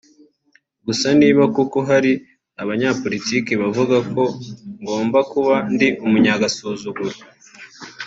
Gusa niba koko hari abanyapolitiki bavuga ko ngomba kuba ndi umunyagasuzuguro